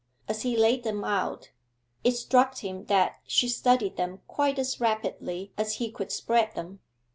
As he laid them out, it struck him that she studied them quite as rapidly as he could spread them.